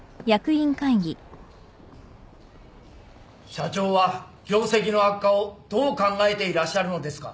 社長は業績の悪化をどう考えていらっしゃるのですか？